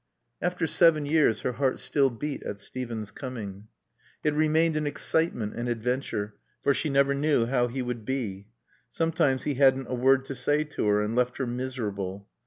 After seven years her heart still beat at Steven's coming. It remained an excitement and adventure, for she never knew how he would be. Sometimes he hadn't a word to say to her and left her miserable.